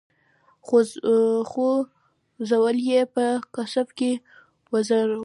خو ځول یې په قفس کي وزرونه